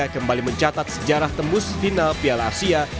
kembali mencatat sejarah tembus final piala asia